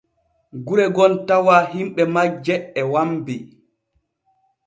Gure gom tawa himɓe majje e wambi.